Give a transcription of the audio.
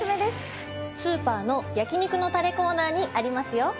スーパーの焼肉のたれコーナーにありますよ。